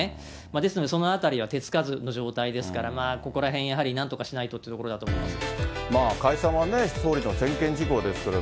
ですので、そのあたりは手つかずの状態ですから、ここらへん、やはりなんとかしないとというところだと思います。